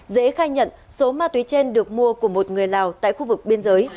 dễ khai nhận số ma túy trên được mua của một người lào tại khu vực biên giới